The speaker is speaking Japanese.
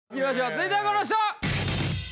続いてはこの人！